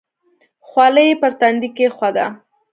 خولۍ یې پر تندي کېښوده.